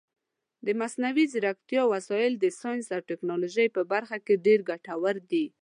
د مصنوعي ځیرکتیا وسایل د ساینس او ټکنالوژۍ په برخه کې ډېر ګټور دي.